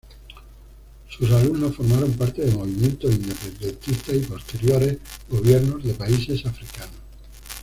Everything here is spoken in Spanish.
Sus alumnos formaron parte de movimientos independentistas y posteriores gobiernos de países africanos.